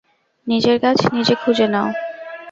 নিজের গাছ নিজে খুঁজে নাও।